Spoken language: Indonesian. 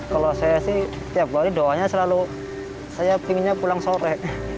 kalau saya sih tiap hari doanya selalu saya pinginnya pulang sore